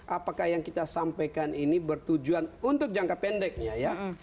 apakah yang kita sampaikan ini bertujuan untuk jangka pendeknya ya